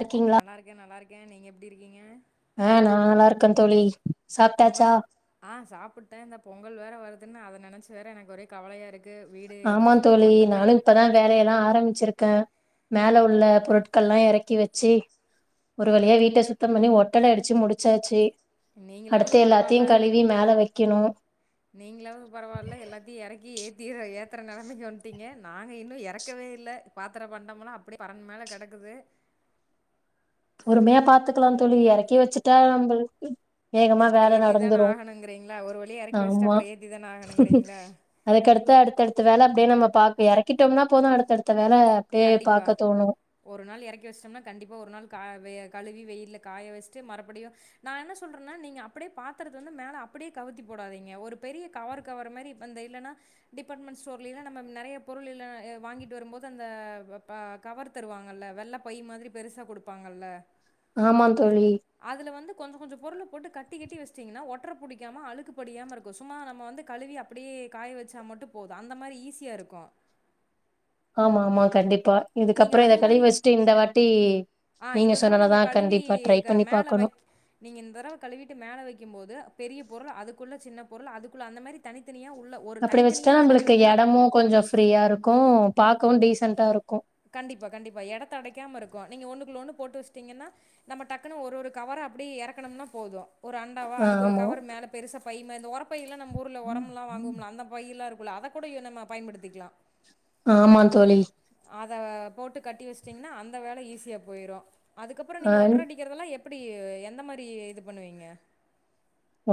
இருக்கீங்களா நல்லா இருக்கே நல்லாரு க்கே நீங்க எப்டி இருக்கீங்க? ஆ நா நல்லா இருக்கே தோழி. சாப்ட்டாச்சா பொங்கல் ஆ சாப்புட்டே இந்த பொங்கல் வேற வரு துன்னு அத நெனைச்சு வேற எனக்கு ஒரே கவலையா இரு ஆமா தோழி நானு இப்பதா வேலையெல்லா ஆரம்பிச்சிரு க்க மேல உள்ள பொருட்கள்லா எறக்கி வச்சு ஒரு வழியா வீட்ட சுத்தம் பண்ணி ஒட்டட அடிச்சு முடிச்சாச்சு. நீங்களாவது அடுத்து எல்லாத்தையு பரவால்ல கழுவி மேல வைக்கணு நீங்களாவது பரவால்ல எல்லாத்தையு எறக்கி ஏத் தீர ஏத்தற நெலமைக்கி வந்ட்டீங்க நாங்க இன்னு எறக்கவே இல்ல. பாத்தரோ பண்டம்லா அப்படியே பரண் மேல கெடக்குது பொறுமையா பாத்துக்கலாந் தோழி எறக்கி வச்சுட்டா நம்பளுக்கு அப்பற ஏத்திதான ஆகணுங்கிறீங்களா ஒரு வழியா எறக்கி வச்சுட்டா ஆமா அப்புறோ ஏத்திதான ஆகணுங்கிறீங்களா? த வேல அப்டியே நம்ம பாக் எறக்கிட்டோம்னா போது அடுத்தடுத் கண்டிப்பா ஒரு நாள் எறக்கி வெச்சுட்டோம்னா கண்டிப்பா ஒரு நாள் கா வெ கழுவி வெயில்ல காய வெச்ட்டு மறுபடியு நா என்ன சொல்றன்னா நீங்க அப்டியே பாத்தரத்த வந்து மேல அப்பிடியே கவுத்தி போடாதீங்க. ஒரு பெரிய கவரு கவரு மாரி அந்த இல்லனா டிபார்ட்மெண்ட் ஸ்டோர்ல இல்லனா நம்ம நெறய பொருளு இல்ல ஆ வாங்கிட்டு வரும்போது அந் த ஆ ப கவர் தருவாங்கல்ல வெள்ள பை மாரி பெருசா குடுப்பாங்கல்ல ஆமா தோழி அதுல வந்து கொஞ்ச கொஞ்ச பொருள போட்டு கட் டி கட்டி வெச்டீங்கனா ஒற்ற புடிக்காம அழுக்கு படியாம இருக்கு சும்மா நம்ம வந்து கழுவி அப்டியே காய வச்சா மட்டு போது அந்த மாரி ஈஸியா இருக்கு ஆமா ஆமா கண்டி நீங்க அது மாரி ஆ இந்த தடவ நீங்க சொன்னனதா கழுவி கண்டிப்பா ட்ரை பண்ணி மேல அ பாக்கணு வெக் நீங்க இந்த தடவ கழுவிட்டு மேல வைக்கும் போது பெரிய பொருள் அதுக்குள்ள சின்ன பொருள் அதுக்குள்ள அந்த மாரி தனி அப்பிடி வெச்சுட்டா நம்மளுக்கு எடமு கொஞ்சோ ஃப்ரீயா இருக்கு பாக்கவு டீசென்டா இருக்கு கண்டிப்பா கண்டிப்பா எடத்த அடைக்காம இருக்கு நீங்க ஒண்ணுக்குள்ள ஒண்ணு போட்டு வெச்சிட்டீங்கன்னா நம்ம டக்குன்னு ஒரு ஒரு கவரா அப்டி எறக்கணும்னா போது ஒரு அண்டாவா ஆ அதுக்கு ஒரு ஆமா கவரு மேல பெருசா பை மாரி இந்த ஒர பை எல்லா நம்ப ஊர்ல ஒரம்லா வாங்குவோம்ல அந்த பை எல்லா இரு க்குல்ல அத கூட அ நம்ம பயன்படுத்திக்லா. ஆமாந் தோழி அத போட்டு கட்டி வெச்சுட்டீங்னா அந்த வேல ஈஸியா போயிரு அதுக்கப்புறோ நீங்க ஆ ஒற்ற அடிக்கிறதல்லா எப் பிடி எந்த மாரி இது பண்ணுவீங்க?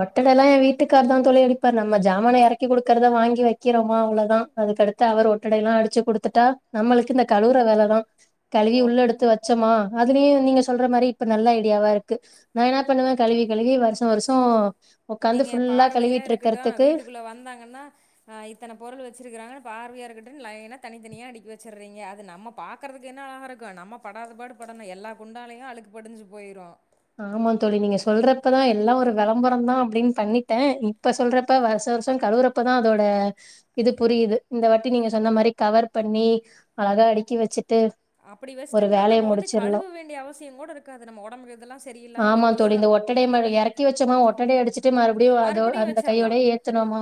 ஒட்டட எல்லா ஏன் வீட்டுக்கார்தா தோழி அடிப்பாரு நம்ம ஜாமான எறக்கி குடுக்கறத வாங்கி வக்கிறோமா அவ்ளோதா அதுக்கடுத்து அவரு ஒட்டட எல்லா அடிச்சு குடுத்துட்டா நம்மளுக்கு இந்த கழுவுர வேலதா ஓ கழுவி உள்ள எடுத்து வெச்சமா அதுலயு நீங்க சொல்ற மாரி இப்ப நல்ல ஐடியாவா இருக்கு நா என்னா பண்ணுவே கழுவி கழுவி வருஷோ வருஷ த்தோ நீங்க பார்வையா இருக்கட்டு வீட்டுக்குள்ள வந்தாங்கன்னா ஆ இத்தன பொருள் வெச்சிருக்குறாங்கனு பார்வையா இருக்க ட்டுனு லைனா தனித்தனியா அடுக்கி வெச்சர்றீங்க அது நம்ம பாக்குறதுக்கு வேண்ணா அழகா இருக்கு நம்ம படாத பாடு படணு எல்லா குண்டாலயு அழுக்கு படிஞ்சு போயிரு ஆமா தோழி நீங்க சொல்றப்பதா எல்லா ஒரு வெளம்பரந்தா அப்டின்னு பண்ணிட்டே இப்ப சொல்றப்ப வருஷோ வருஷோ கழுவுறப்பதா அதோட இது புரியுது. இந்த வாட்டி நீங்க சொன்ன மாரி கவர் பண்ணி அழகா அடுக்கி வெச்சு அப்பிடி வெச்சுட்டம்னா நம்ம வந்து கழுவ வேண்டிய அவசியங் கூட இருக்காது நம்ம ஒடம்பு இதெல்லா சரியில்லாம ஆமா ஒரு தோழி வருஷோ இந்த ஒட்டடை மேல எறக்கி வச் சமா ஒட்டட அடிச் மறுபடியு வச்சரலா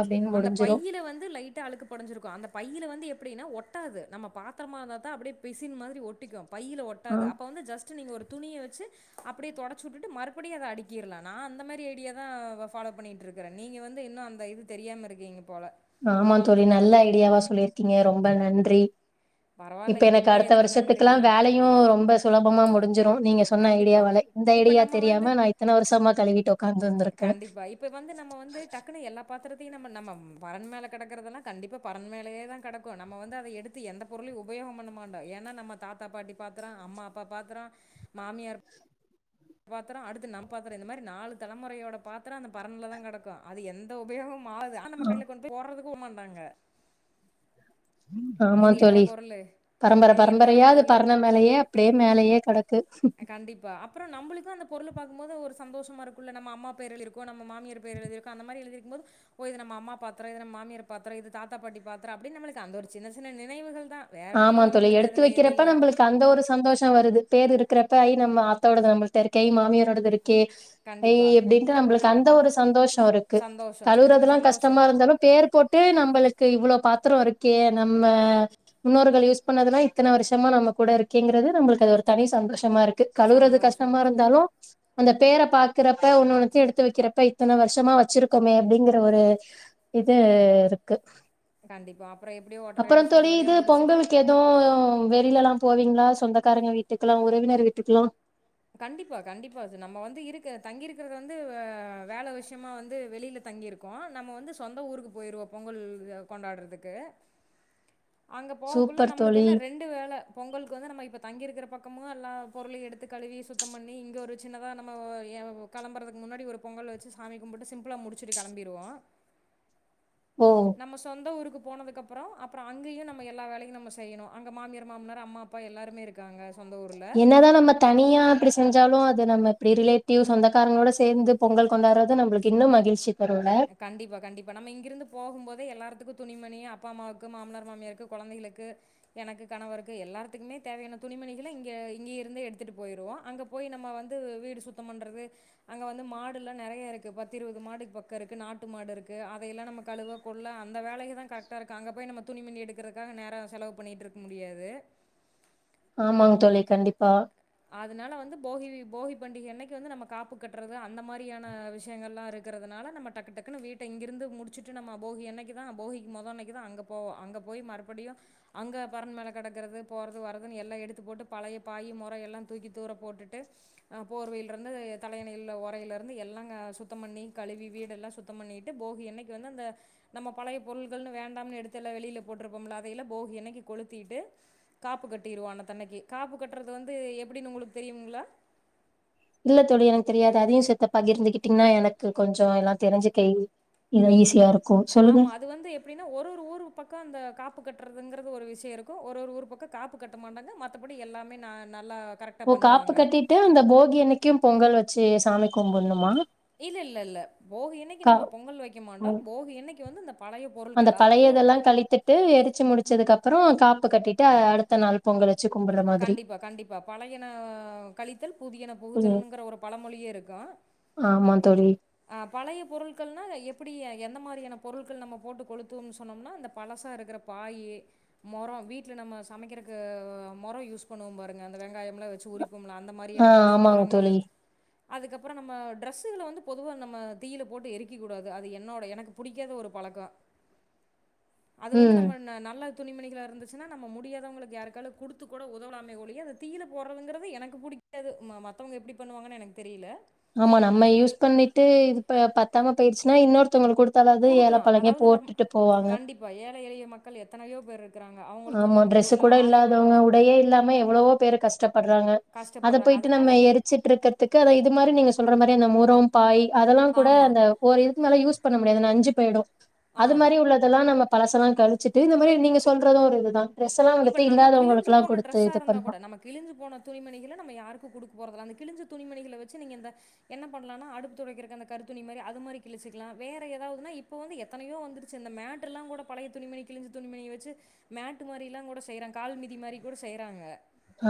அப்டின்னு அந்த முடிஞ்சிரு பையில வந்து லைட்டா அழுக்கு படிஞ்சிருக்கு அந்த பையில வந்து எப்பிடின்னா ஒட் டாது நம்ம பாத்தரமா இருந்தாதா அப்டியே பிசின் மாதிரி ஒட்டிக்கு பையில ஆ ஒட்டாது அப்ப வந்து ஜஸ்ட் நீங்க ஒரு துணிய வெச்சு அப்டியே தொடச்சு வுட்டுட்டு மறுடியு அத அடிக்கிறல நா அந்த மாரி ஐடியாதா ஆ ஃபாலோ பண்ணிட்ருக்கறே நீங்க வந்து இன்னு அந்த இது தெரியாம இருக்கீங்க போல ஆமா தோழி நல்ல ஐடியாவா சொல்லிருக்கீங்க ரொம்ப நன்றி பரவால்ல இப்ப எனக்கு இதுக்கெல்லாம் அடுத்த எதுக்கு வருஷத்துக்கல்லா நன்றிலாம். வேலையு ரொம்ப சுலபமா மு டிஞ்சுரு நீங்க சொன்ன கண்டிப்பா. ஐடியாவால இந்த இப்ப ஐடியா நம்ம வந்து தெரியாம நா இத்தன வருஷமா கழுவிட்டு ஒக்காந்து இருந்திருக்கிறே கண்டிப்பா. த்தயு நம்ம நம்ம ம் பரண் மேல கெடக்கறதெல்லா கண்டிப்பா பரண் மேலயேதா கெடக்கு. நம்ம வந்து அத எடுத்து எந்த பொருளையு உபயோகம் பண்ண மாண்டோ. ஏன்னா நம்ம தாத்தா பாட்டி பாத்தரோ அம்மா அப்பா பாத்தரோ மாமியார் பாத்தரோ அடுத்து நம் பாத்தரோ இந்த மாரி நாலு தலமுறையோட பாத்தரோ அந்த பரண்லதா கெடக்கு அது எந்த உபயோக மு ஆகாது. ஆனா நம்ம கடையில கொண்டு போய் போட்றதுக்கு க்கு மாண்டாங்க ஆமா தோழி. பரம்பர இது என்னோட பரம்பரையா அது பரண மேலயே அப்டியே மேலயே கெட அ கண்டிப்பா அப்புறோ நம்பளுக்கு அந்த பொருள பாக்கும் போது ஒரு சந்தோஷமா இருக்குல்ல நம்ம அம்மா பேர் எழிருக்கு நம் ம மாமியார் பேர் எழுதியிருக்கு அந்த மாரி எழுதியிருக் கும்போது ஓ இது நம்ம அம்மா பாத்தரோ இது நம்ம மாமியார் பாத்தரோ இது தாத்தா பாட்டி பாத்தரோ அப்பிடின்னு நம்மளுக்கு அந்த ஒரு சின்ன சின்ன நினைவுகள் தான். வேற ஆமா ஒண்ணும் தோழி நம்மளுக்கு எடுத்து அதுல எது வைக்கிறப்ப இல்ல. நம்பளுக்கு அந்த ஒரு சந்தோஷ வருது பேர் இருக்கிற தாய் நம்ம ஆத்தாவோடது நம்மள்ட்ட இருக்கு ஐ மாமியாரோடது இரு க்கு ஐ கண்டிப்பா. அப்டின்ட்டு நம்பள தந்த ஒரு சந்தோஷ ந்தா இருக்கு. சந்தோஷம். சின்ன சின்ன கழுவுறதெல்லா கஷ்டமா சந்தோஷம். இருந்தாலு பேர் போட்டு நம்பளுக்கு இவ்வளோ பாத்தரோ இருக்கே நம்ம முன்னோர்கள் யூஸ் பண்ணது எல்லா இத்தன வருஷமா நம்ம கூட இருக்கேங்கிறது நம்மளுக்கு அது ஒரு தனி சந்தோ ஷமா இருக்கு கழுவுறது சந்தோஷம். கஷ்டமா இருந்தாலு அந்த பேரை பாக்குறப்ப ஒன்னனேனுன்னத்தையும் எடுத்து வைக்கிப்ப இத்தனை வருஷமா வச்சிருக்கோமே அப்படிங்கற ஒரு இது இருக்கு கண்டிப்பா அப்புறம் எப்படியோ ஓட்டர் அயடிச்சு ஒரு வழியா முடி [inaudible] பொங்கல்லுக்கு ஏதோ வெளில எல்லாம் போவீங்களா சொந்தக்காரங்க வீட்டுக்கலா உறவினர் வீட்டுக்கெலா கண்டிப்பா கண்டிப்பா சார் நம்ம வந்து இருக்க தங்கியிக்கிறது வந்து வேள விஷயமா வந்து வெளியில தங்கியிருக்கோம் நம்ம வந்து சொந்த ஊருக்கு போயிருவோம் பொங்கள் கொண்டாடுறதுக்கு அங்க போகக்குள்ள சூப்பர் நம்மளுக்கு தோழி என்ன ரெண்டு வேள பொங்கலுக்கு வந்து நம்ம இப்ப தங்கிருக்கிற பக்கம் நம்மோ எல்லா பொருளையு எடுத்து கழுவி சுத்தம் பண்ணி இங்க ஒரு சின்னதா நம்ம களம்புறதுக்கு முன்னாடி ஒரு பொங்கல் வச்சு சாமி கும்பிட்டு சிம்பிளா முடிச்சுட்டு கிளம்பிடுவோம் ஓ நம்ம சொந்த ஊருக்கு போனது அப்புறம் அப்புறம் அங்கேயும் நம்ம எல்லா வேலையும் நம்ம செய்யணும் அங்க மாமியார் மாமனார் அம்மா அப்பா எல்லாருமே இருக்காங்க சொந்த ஊருல தனியாக இப்படி செஞ்சாலும் அது நம்ம இப்படி ரிலேட்டிவ் சொந்தக்காரங்களோட சேர்ந்து பொங்கள் கொண்டாடுறது நம்மளுக்கு இன்னும் மகிழ்ச்சி தரும்ல கண்டிப்பா கண்டிப்பா நம்ம இங்கிருந்து போகும் போகும் போதே எல்லாருத்துக்கும் துணிமணி அப்பா அம்மாவுக்கு மாமனார் மாமிய இருக்கு குழந்தைகளுக்கு எனக்கு கணவருக்கு எல்லாத்துக்குமே தேவையான துணிமணிகளை இங்க இங்க இருந்துே எடுத்துட்டு போயிருவோம் அங்க போய் நம்ம வந்து வீடு சுத்தம் பண்றது அங்க வந்து மாடு எல்லாம் நிறைய இருக்கு பத்த இருபது மாடுக்கு ப இருக்கு நாட்டு மாடு இருக்கு அதையெல்லாம் நம்ம கழுவ கொள்ள அந்த வேலைக்கு தான் கரெக்டா இருக்கு அங்க போய் நம்ம துணிமணி எடுக்கிறதுக்காக நேரம் செலவு பண்ணிட்டு இருக்க முடியாது ஆமாங்க தோழி கண்டிப்பா அதனால வந்து போகி போகி பண்டிகை அன்னைக்கு வந்து நம்ம காப்பு கட்டுறது அந்த மாரியான விஷயங்கள் எல்லாம் இருக்கறிறதுனால நம்ம டக்கு டக்குன்னு வீட்டை இங்கிருந்து முடிச்சுட்டு நம்ம போகி அன்னைக்கு தான் போகிக்கு முதல்ன்னைக்கு தான் அங்க போவோம் அங்க போய் மறுபடியும் அங்க பரன் மேல கிடக்கறிறது போறது வரது எல்லாம் எடுத்து போட்டு பழைய பாயி எல்லாம் தூக்கி தூர போட்டுட்டு போர்வயில இருந்து தலயனை உறையிருது எல்லாம் சுத்தம் பண்ணி கழுவி வீடு ஏல்லாம் சுத்தம் பண்ணிட்டு நம்ம போகி ஆன்னைக்கு வேண்டாம்னூ எடுத்து வெளில போட்டுப்போம்ல அத எலாலாம் கொளூத்தீட்டு காப்பு கட்றது அன்னைக்கு அது வந்து எப்படின்னு உங்களுக்கு தெரியுங்களா இல்ல தோழி எனக்கு தெரியாது அதையும் செத்த பகிர்ந்துகிட்டிங்கன்னா எனக்கு கொஞ்சம் எல்லாம் தெரிஞ்சு இ ஆமா அது வந்து எப்படின்னா ஒரு ஒரு ஊர் பக்கம் அந்த காப்பு கட்டுறதுங்கிறது ஒரு விஷயம் இருக்கும் ஒரு ஒரு ஊர் பக்கம் காப்பு கட்ட மாட்டாங்க மத்தபடி எல்லாமே நல்ல ஓ காப்பு கட்டிட்டுஅந்த போகி அன்னைக்கு க்கும் பொங்கல் வச்சு சாமி கும்புன்ணுமா இல்ல இல்ல இல்ல போகி அன்னைக்கு நம்ம பொங்கல் ஓ வைக்கமாண்டோ போகி அன்னைக்கு வந்து இந்த பழைய அந்த பொருட்கள் அதாவது பழையதெல்லாம் கழித்துட்டு எரிச்சு முடிச்ச வச்சதுக்கு அப்புறம் காப்பூகட்டிட்டு அடுத்த நாள் பொங்கல் வச்சு கும்புட்ற மாதிரி கண்டிப்பா கண்டிப்பா பழையன கழித்தல் புதியன ம் புகுதல்ங்கிற ஒரு பழமொழியே இருக்கும் ஆமா தோழி அஹ் பழைய பொருட்கள்னா எப்படி எந்த மாதிரியான பொருட்கள் நம்ம போட்டு கொளுத்துவோம்னா சொன்னோம்னா இந்த பழசா இருக்கிற பாய் முறம் வீட்டுல நம்ம சமைக்கிறக்கு முறம் யூஸ் பண்ணுவோம் பாருங்க அந்த வெங்காயம் எல்லாம் வச்சு உரி லாம் அந்த ஆ மாதிரியான பழைய ஆமாங்க முரங்கள் தோழி அதுக்கப்புறம் நம்ம டிரஸ்ஸுங்க வந்து பொதுவாக நம்ம தீயில போட்டு எரிக்க கூடாது அது என்னோட எனக்கு பிடிக்காத ஒரு பழக்கம் அது வந்து ம் நம்ம நல்ல துணிமணிகளாக இருந்துச்சுன்னா நம்ம முடியாதவங்களுக்கு யாருக்குனா கொடுத்து கூட உதவா மைய ஒலிய அத கீழே போகறதுங்கிறது எனக்கு பிடிக்காது ம மற்றவங்க எப்படி பண்ணுவாங்கன்னு எனக்கு தெரியல ஆமா நம்ம யூஸ் பண்ணிட்டு இது பத்தாம போயிடுச்சுன்னா இன்னொருத்தவங்களுக்கு குடுத்து குடுக்கலா அதாவது நம் கண்டிப்பா ஏழை எளிய மக்கள் எத்தனையோ பேர் இருக்கிறாங்க அவங்களுக்கு ஆமா வந்து நம்ம டிரெஸ்சு குடுக்கலா கூட இல்லாதவங்க ஆதரவற்றோர் உடையே இல்லாம எவ்வளவோ பேரு கஷ்டப்படுறாங்க அத கஷ்டப்படுறாங்க போயிட்டு அதனால நம்ம எரிச்சிட்ருக்கறதுக்கு அத இது மாரி நீங்க சொ ல்ரமாரி இந்த முறோ பாய் அதெல்லா கூட ஆமா அந்த ஒரு இதுக்கு மேல யூஸ் பன்ன முடியாது நஞ்சு போயிடு ஆ அது மாரி உள்ளதெல்லா நம்ம பழசலா கழச்சிட்டு இந்த மாரி நீங்க சொ ரது ஒருதுதா இப்ப நம்ம கிழி்ஞ்சு போன டிரெஸ்ஸா இருந்தா பண்ணலா கூட நம் கிழிஞ்சு போன துணமணிகளை நம யாருக்கு குடுக் [inaudible] கிழிஞ்ச துணிமணிகல வச்சு நீங்க இந்த என்ன பண்ணலானா அடுப்பு தொடைக்கிறதுக்கு இந்த கரித்துணி மாறி அது மாரி கிழுச்சுக்கலா வேற எதாவ்துனா இப்ப வந்து எத்தனையோ வந்துருச்சு இந்த மேட் எல்லா கூட பழைய துணி மணி கிழிஞ்ச துனிமனிய வச்சு மேட்டு மாரிலா கூட செய்றங் கால் மீதி மாரி கூட செய்றாங்க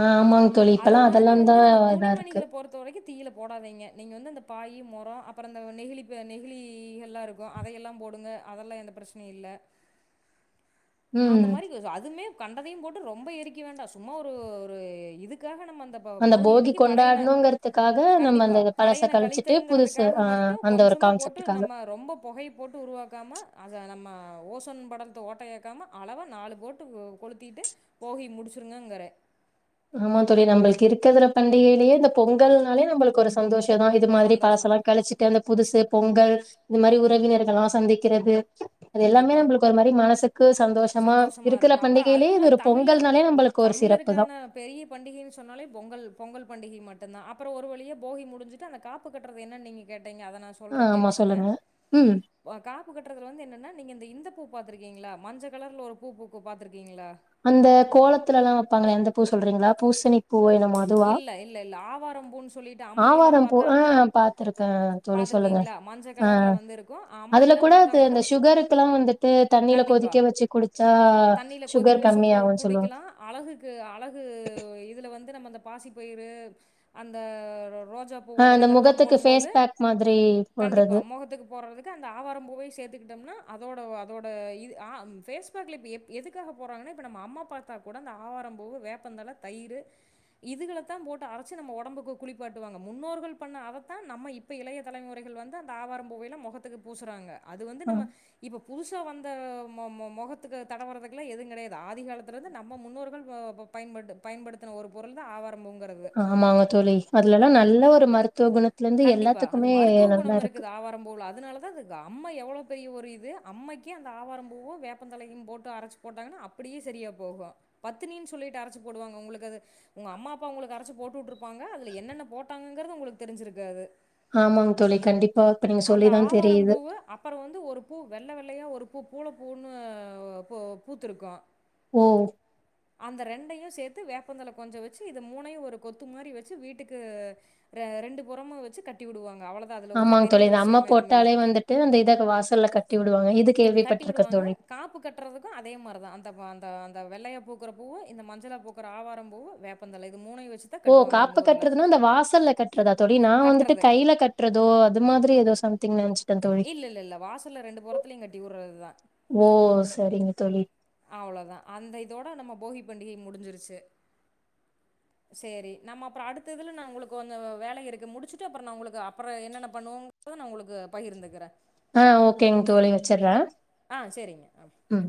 ஆ ஆமாங்க தோழி அது இப்பெல்லா மாரி அதெல்லாந்தா வந்து நம்ம இதா இருக்கு துணிமணிகள பொறுத்த வரைக்கு தீயில போடாதீங்க நீங்க வந்து அந்த பாய் மொரோ அப்பறோ அந்த நெகிழி நெக்ழிகள்லா இருக்கு அதையெல்லா போடுங்க அதெல்லா எந்த பிரச்சனையு இல்ல அந்த ம் மாரி [unintelligible] அதுமே கண்டதையு போட்டு ரொம்ப எரிக்க வேண்டா சும்மா ஒரு ஒரு இதுக்காக நம்மந்தப்ப அந்த போகி அன்னிக்கு பழையன கொண்டாடணுங்கறதுக்காக நம்ம கண்டிப்பா அந்த பழச பழையன கழிச்சிட்டு புதுசு கழித்தல்றதுக்காக ஆ மட்டு அந்த ஒரு கொஞ்சமா போட்டு கான்செப்டுக்காக நம்ம ரொம்ப பொகய போட்டு உருவாக்காம அத நம்ம ஓசோன் படலத்த ஓட்யாக்காம அளவா நாலு போட்டு ஒ கொளுத்திட்டு போகி முடிச்சுருங்கேங்றே ஆமா தோழி நம்மளுக்கு இருக்கதுல பண்டிகையிலேயே இந்த பொங்கல்னாலே நம்மளுக்கு ஒரு சந்தோஷோ துதா இது மாதிரி சந்தோஷம். பழசுலா கழிச்சிட்டு அந்த புதுசு பொங்கல் இது மாரி உறவினர்களலா சந்திக்கிறது அது எல்லாமே கண்டிப்பா. நம்மளுக்கு ஒரு மாரி மனசுக்கு சந்தோஷ நாம சந்தோஷமா இருக்கிற இருக்கும் அப்புறோ பண்டிகையிலே இது அதுமில்லாம ஒரு தமிழர் பொங்கல்னாலே நம்மளுக்கு ஒரு சிறப்பு தா தமிழருக்கான பெரிய பண்டிகை சொன்னாலே பொங்கல் பொங்கல் பண்டிகை மட்டுந்தா அப்பறோ ஒரு வழியா போகி முடிஞ்சுட்டு அந்த காப்பு கட்றது என்ன நீங்க கேட்ட நீங்க அத நா ஆ சொல்றே ஆமா கேட்டுக்கங்க சொல்லுங்க ம் காப்பு கட்டுறது வந்து என்னன்ன நீங்க அந்த இந்த பூ பூ பாத்திருக்கீங்களா மஞ்சக் கலர்ல ஒரு பூ பூக்கு பாத்துருக் அந்த கோலத்துலலா வப்பாங்களே அந்த பூ சொல்றீங்ளா பூசணி பூ என்னமோ அதுவா இல்ல இல்ல இல்ல ஆவாரம் பூன்னு சொல்லிட்டு அம்மை எல்லா ஆவாரம் பூ பாத்தா ஆ பாத்திருக் ஆ தோழி சொல்லுங்க பாத்துருக்கீங்களா மஞ்ச ஆ கலர்ல வந்து இருக்கு அம்மை அதுல எல்லா கூட பாத்தா அது இந்த சுகருக்குலா வந்துட்டு தண்ணில கண்டிப்பா கொதிக்க வச்சு குடுச் ஆ க வச்சு குடிக்கலா அழகுக்கு அழகு இதுல வந்து நம்ம அந்த பாசி பயிறு ஒரு அந்த ரோஜா ஆ பூவோட அந்த இதழ்ல்லா முகத்துக்கு ஃபேஸ் போடும்போது பேக் மாதிரி கண்டிப்பா போடுறது முகத்துக்கு போடறதுக்கு அந்த ஆவாரம் பூவையும் சேர்த்துக்கிட்டோம்னா அதோட அதோட இது ஆ பேஃஸ் பேக்ல இப்ப எதுக்காக போடறாங்கன்ன இப்ப நம்ம அம்மா பாத்தா கூட ஆவாரம்பூ வேப்பந்தள தயிரு இதுகளத்தா போட்டு அரைச்சு நம்ம உடம்புக்கு குளிப்பாட்டுவாங்க முன்னோர்கள் பண்ண அத தா நம்ம இப்ப இளைய தலைமுறைகள் வந்து அந்த ஆவார பூவையல முகத்துக்கு பூசுறாங்க அது வந்து ஆ நம்ம இப்ப புதுசா வந்த மு மு முகத்துக்கு தடவரதுகெல்லா எதுவு கிடையாது ஆதிகாலத்துலருந்து நம்ம முன்னோர்கள் பா பயன்படு பயன்படுத்தன ஒரு பொருள் தா ஆவாரம்பூ ஆமாங்க தோழி அதுல ல்லா நல்ல ஒரு மருத் கண்டிப்பா அது மருத்துவ குணம் இருக்கு இருக்குது ஆவாரம்பூல அதனால தா அது அம்மை எவ்வள அவ்ளோ பெரிய ஒரு இது அம்மைக்கு அந்த ஆவார பூவும் வேப்பந்தலையும் போட்டு அரைச்சு போட்டாங்கன்ன அப்டியே சரியா போகும் பத்தினின் சொல்லிட்டு அரைச்சு போடுவாங்க உங்களுக் அது உங்க அம்மா அப்பா உங்களுக் அரைச்சு போட் போற்றுப் பாங்க அதுல என்னென்ன போட்டாங்க இருக்கறது உங்களுக் தெரிஞ்சிருக்காது ஆமாங்க தோழி கண்டிப்பா இப்ப நீங்க அந்த சொல்லிதா தெரியுது உள்ளைய ஒரு பூ பூள பூன்னு பூ பூத்துருக்கோம் ஓ அந்த ரெண்டையும் சேத்து வேப்பந்தழ கொஞ்சம் வச்சு இத மூணையும் ஒரு கொத்து மாரி வச்சு வீட்டுக்கு ரெண்டு புறமும் வச்சு கட்டி விடுவாங்க அவ்வளதான். அதில ஒண்ணும் ஆமாங்க பெரிய தோழி அம்ம விஷயம் எதுவும் இல்ல. போட்டாலே வந்துட்டு அந்த இத வாசல்ல கட்டி வி கட்டி விடுவாங்க காப்பு கட்றதுக்கும் அதே முறதா அந்த அந்த ந்த வெள்ளையை பூக்குற பூவும் இந்த மஞ்சள பூக்குற ஆவாரம் பூவும் வேப்பந்தலை ஓ காப்பு கட்றதுனா இந்த வாசல்ல கட்றதா தோழி நா வந்துட்டு கட்டுறது கையல கட்றதோ அது மாதிரி ஏதோ சம் திங் நன்ச் இல்லல்லல்ல வாசல்ல ரெண்டு புறத்துலயையும் கட்டி வுடறதுதா ஓ! சரிங்க தோழி அவ்ளோதா அந்த இதோட நம்ம போகி பண்டிகை முடிஞ்சிருச்சு சேரி நம்ம அப்புறம் அடுத்த இதுல நா உங்களுக்கு கொஞ்சம் வேலை இருக்கு முடிச்சுட்டு அப்புறம் நா உங்களுக்கு அப்புறம் என்னென்ன பண்ணுவோங்க நா உங்களுக்கு பகிர்ந்துக்கறே ஆ ஓகேங் தோழி வச்சிறே ஆ சரிங்க ஆ ம்